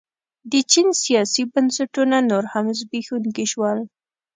د چین سیاسي بنسټونه نور هم زبېښونکي شول.